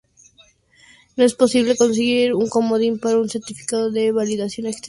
No es posible conseguir un comodín para un certificado de validación extendida.